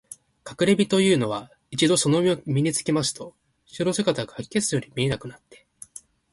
かくれみのというのは、一度そのみのを身につけますと、人の姿がかき消すように見えなくなって、